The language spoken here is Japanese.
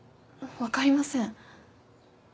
分かりません。